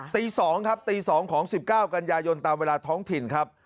ตี๒ครับตี๒ของ๑๙กันยายนตามเวลาท้องถิ่นครับ